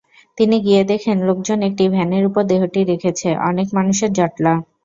তিনি গিয়ে দেখেন, লোকজন একটি ভ্যানের ওপর দেহটি রেখেছে, অনেক মানুষের জটলা।